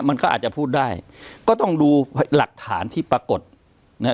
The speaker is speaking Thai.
มันก็อาจจะพูดได้ก็ต้องดูหลักฐานที่ปรากฏนะฮะ